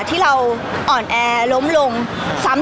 พี่ตอบได้แค่นี้จริงค่ะ